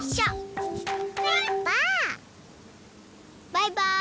バイバイ。